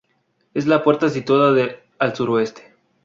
Es la puerta situada al sureste.